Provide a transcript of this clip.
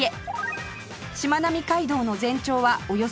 しまなみ海道の全長はおよそ６０キロ